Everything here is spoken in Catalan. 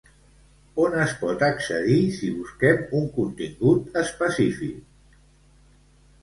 On es pot accedir si busquem un contingut específic?